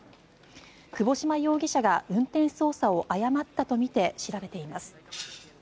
窪島容疑者が運転操作を誤ったとみて調べています。